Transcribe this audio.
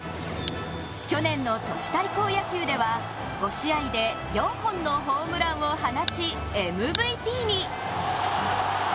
去年の都市対抗野球では、５試合で４本のホームランを放ち、ＭＶＰに。